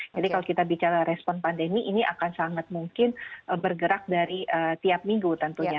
jadi kalau kita bicara respon pandemi ini akan sangat mungkin bergerak dari tiap minggu tentunya